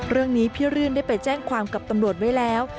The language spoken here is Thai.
เรื่องนี้พี่รื่นได้ไปแจ้งความกับตำรวจไว้แล้ว